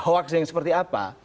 hoax yang seperti apa